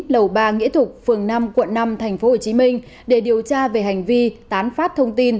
lầu ba nghĩa thục phường năm quận năm tp hcm để điều tra về hành vi tán phát thông tin